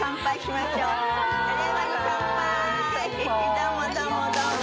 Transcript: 「どうもどうもどうも。